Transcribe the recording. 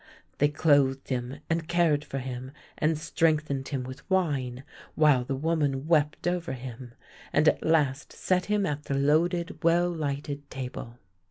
They clothed him and cared for him, and strengthened him with wine, while the v/oman wept over him, and at last set him at the loaded, well lighted table.